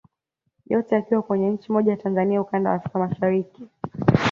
Yote yakiwa kwenye nchi moja ya Tanzania ukanda wa Afrika Mashariki